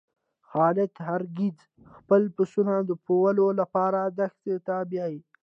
خالد هر ګیځ خپل پسونه د پوولو لپاره دښتی ته بیایی.